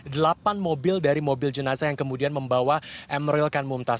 delapan mobil dari mobil jenazah yang kemudian membawa emeril kan mumtaz